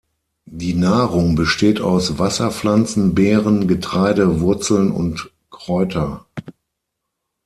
Die Nahrung besteht aus Wasserpflanzen, Beeren, Getreide, Wurzeln und Kräuter.